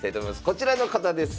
こちらの方です。